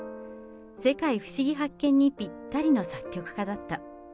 世界ふしぎ発見！にぴったりの作曲家だった。